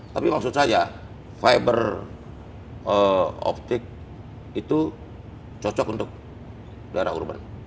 tapi maksud saya fiber optic itu cocok untuk daerah urban